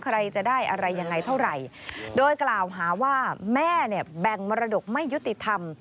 ใครจะได้อะไรยังไงเท่าไหร่โดยกล่าวหาว่าแม่เนี่ยแบ่งมรดกไม่ยุติธรรม